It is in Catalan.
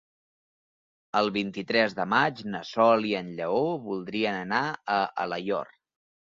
El vint-i-tres de maig na Sol i en Lleó voldrien anar a Alaior.